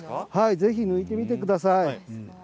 ぜひ抜いてみてください。